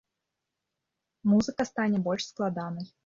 Музыка стане больш складанай.